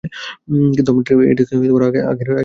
কিন্তু আমরা এটিকে আবার আগের মত করতে পারি।